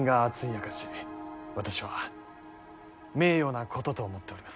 私は名誉なことと思っております。